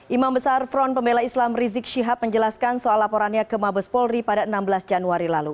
imam besar front pembela islam rizik syihab menjelaskan soal laporannya ke mabes polri pada enam belas januari lalu